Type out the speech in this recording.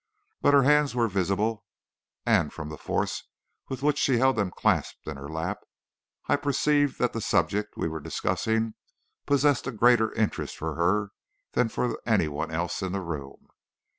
But her hands were visible, and from the force with which she held them clasped in her lap I perceived that the subject we were discussing possessed a greater interest for her than for any one else in the room.